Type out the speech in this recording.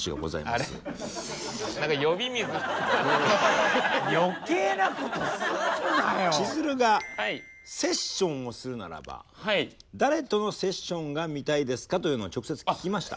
しずるがセッションをするならば誰とのセッションが見たいですかというのを直接聞きました。